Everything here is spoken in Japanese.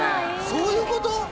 そういうこと？